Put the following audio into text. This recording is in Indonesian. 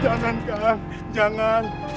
jangan kang jangan